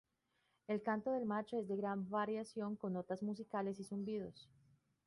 El canto del macho es de gran variación, con notas musicales y zumbidos.